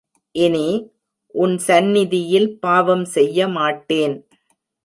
இனி, உன் சந்நிதியில் பாவம் செய்யமாட்டேன்.